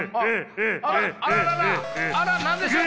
あら何でしょう？